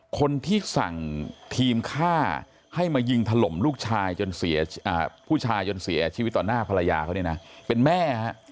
คนที่สั่งทีมฆ่าให้มายิงถล่มผู้ชายจนเสียชีวิตต่อหน้าภรรยาเขาเป็นแม่